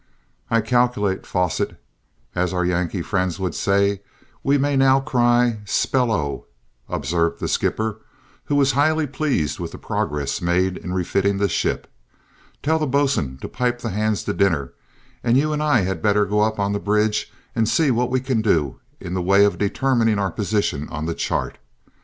"I `calculate,' Fosset, as our Yankee friends would say, we may now cry spell O!" observed the skipper, who was highly pleased with the progress made in refitting the ship. "Tell the bo'sun to pipe the hands to dinner, and you and I had better go up on the bridge and see what we can do in the way of determining our position on the chart.